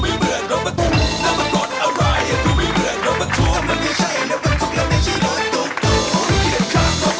ไม่เกี่ยวครับเพราะว่าโรงมหาสนุก